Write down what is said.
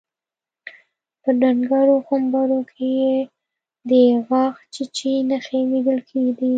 په ډنګرو غومبرو کې يې د غاښچيچي نښې ليدل کېدې.